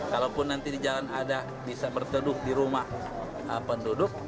kalaupun nanti di jalan ada bisa berteduh di rumah penduduk